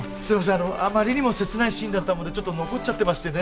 あのあまりにも切ないシーンだったもんでちょっと残っちゃってましてね。